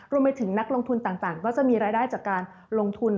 นักลงทุนต่างก็จะมีรายได้จากการลงทุน